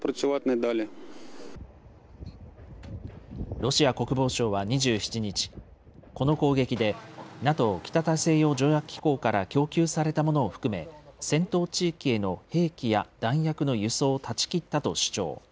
ロシア国防省は２７日、この攻撃で、ＮＡＴＯ・北大西洋条約機構から供給されたものを含め、戦闘地域への兵器や弾薬の輸送を断ち切ったと主張。